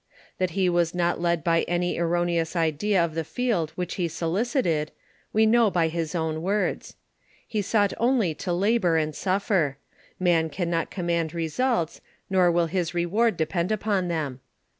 That he was not led by any erroneous idea of the field which he solici ted, we know by his own words. He sought only to labor and suffer; man can not command results, nor will his reward depend upon them.